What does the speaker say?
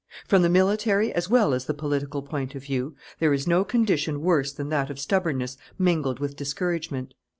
From the military as well as the political point of view, there is no condition worse than that of stubbornness mingled with discouragement.